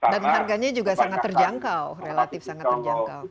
dan harganya juga sangat terjangkau relatif sangat terjangkau